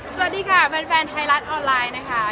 สวัสดีค่ะแฟนไทยรัฐออนไลน์นะคะ